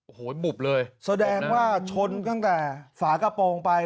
โอ้โหบุบเลยแสดงว่าชนตั้งแต่ฝากระโปรงไป